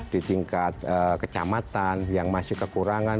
di tingkat kecamatan yang masih kekurangan